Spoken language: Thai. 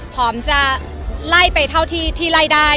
ผมจะไล่ไปเท่าทีรายได้